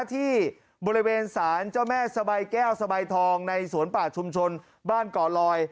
ที่บริเวณสารเจ้าแม่สบายแก้วสบายทองในสวนป่าชุมชนบ้านก่อลอย